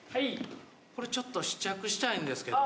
これちょっと試着したいんですけど。